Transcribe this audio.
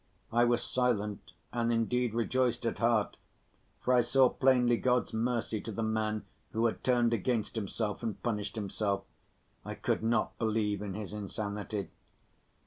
I was silent and indeed rejoiced at heart, for I saw plainly God's mercy to the man who had turned against himself and punished himself. I could not believe in his insanity.